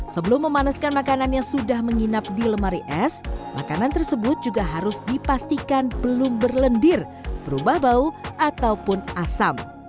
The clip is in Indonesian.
sebelum memanaskan makanan yang sudah menginap di lemari es makanan tersebut juga harus dipastikan belum berlendir berubah bau ataupun asam